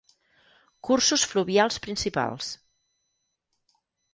Cursos fluvials principals: